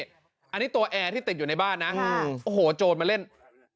อันนี้ตัวแอร์ที่ติดอยู่ในบ้านนะโอ้โหโจรมาเล่น